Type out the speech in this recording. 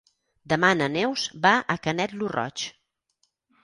Demà na Neus va a Canet lo Roig.